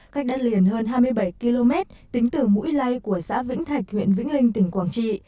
cách đất liền hơn hai mươi bảy km tính từ mũi lây của xã vĩnh thạch huyện vĩnh linh tỉnh quảng trị